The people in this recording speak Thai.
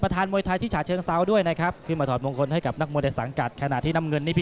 ถูกใสดี